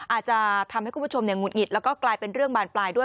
อาจจะทำให้คุณผู้ชมหงุดหงิดแล้วก็กลายเป็นเรื่องบานปลายด้วย